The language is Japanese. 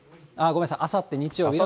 ごめんなさい、あさって日曜日は。